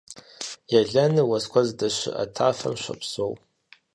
Елэныр уэс куэд здэщыӀэ тафэм щопсэу.